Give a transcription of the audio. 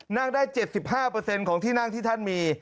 นั่งได้๗๕ของที่นั่งที่ท่านมี